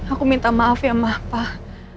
aku minta maaf ya mak pak